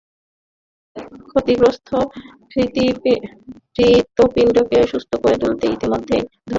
ক্ষতিগ্রস্ত হৃৎপিণ্ডকে সুস্থ করে তুলতে ইতিমধ্যেই একধরনের ভাল্ব আবিষ্কার করেছেন বিজ্ঞানীরা।